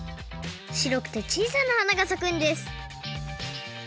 しろくてちいさなはながさくんです。